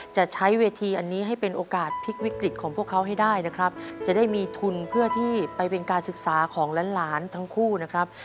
จะใช้เวทีอันนี้ให้เป็นโอกาสพลิกวิกฤตของพวกเขาให้ได้นะครับจะได้มีทุนเพื่อที่ไปเป็นการศึกษาของหลานทั้งคู่นะครับ